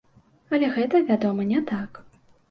Але гэта, вядома, не так.